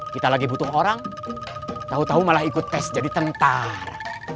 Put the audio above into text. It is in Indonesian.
kita lagi butuh orang tau tau malah ikut tes jadi tentar